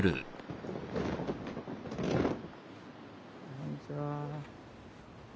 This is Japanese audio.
こんにちは。